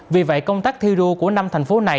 vì vậy công tác thi đua của năm thành phố này